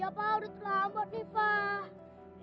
ya pak sudah terlambat nih pak